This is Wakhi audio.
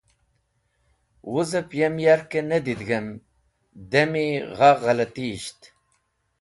Wuzẽb yem yarkẽ ne didig̃hem demi gha ghẽlatisht